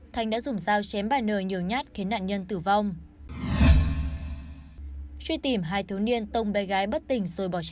thanh đã dùng dao chém bà n nhiều nhát khiến nạn nhân tử vong